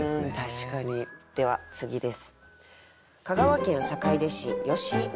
では次です。